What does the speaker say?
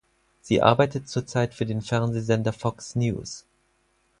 Sie arbeitet zurzeit für den Fernsehsender Fox News.